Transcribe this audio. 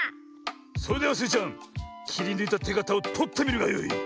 それではスイちゃんきりぬいたてがたをとってみるがよい。